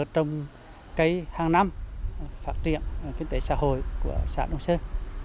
trong cái hàng năm phát triển kinh tế xã hội của xã đông sơn